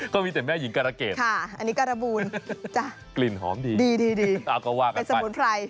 ก็มีแต่แม่หญิงการเกตค่ะอันนี้การบูลจ้ะกลิ่นหอมดีดีเอาก็ว่ากันไปเป็นสมุนไพร